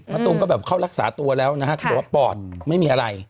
ตูมก็แบบเข้ารักษาตัวแล้วนะฮะบอกว่าปอดไม่มีอะไร